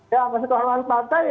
ya majelis kehormatan partai